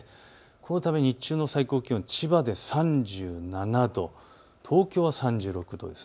このため日中の最高気温、千葉で３７度、東京は３６度です。